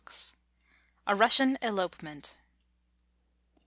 A RUSSIAN ELOPEMENT.